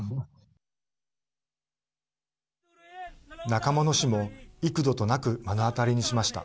仲間の死も幾度となく目の当たりにしました。